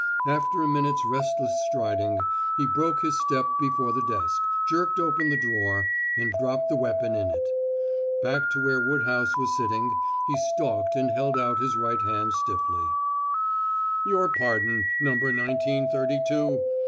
After a minute's restless striding, he broke his step before the desk, jerked open the drawer, and dropped the weapon in it. Back to where Woodhouse was sitting he stalked and held out his right hand stiffly. "Your pardon, Number Nineteen Thirty two!